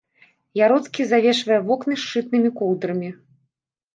Яроцкі завешвае вокны шчытнымі коўдрамі.